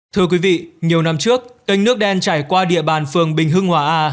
thưa quý vị nhiều năm trước kênh nước đen chảy qua địa bàn phường bình hưng hòa a